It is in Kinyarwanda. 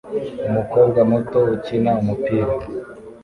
Umukobwa muto ukina umupira